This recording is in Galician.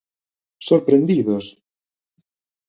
¡Sorprendidos!